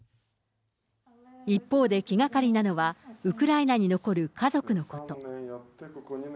一方で気がかりなのは、ウクライナに残る家族のこと。